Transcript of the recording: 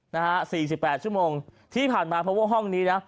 นะฮะสี่สิบแปดชั่วโมงที่ผ่านมาเพราะว่าห้องนี้นะ